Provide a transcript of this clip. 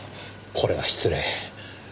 これは失礼。